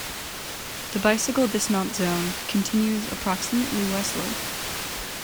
The bicycle dismount zone continues approximately westward.